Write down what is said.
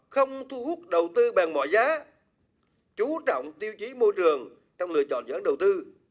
không thu hút đầu tư bằng mọi giá chú trọng tiêu chí môi trường trong lựa chọn dự án đầu tư